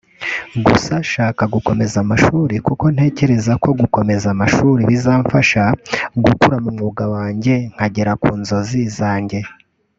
Gusa nshaka gukomeza amashuri kuko ntekereza ko gukomeza amashuri bizamfasha gukura mu mwuga wanjye nkagera ku nzozi zanjye”